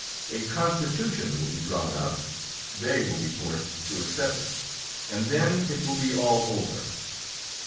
A constitution will be drawn up, they will be forced to accept it, and then it will be all over."